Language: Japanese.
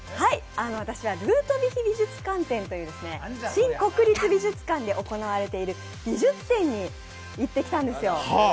ルートヴィヒ美術館展という新国立美術館で行われている美術展に行ってきたんですよ。